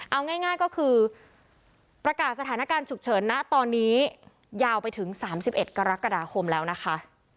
เอาง่ายก็คือประกาศสถานการณ์ฉุกเฉินนะตอนนี้ยาวไปถึง๓๑กรกฎาคมแล้วนะคะ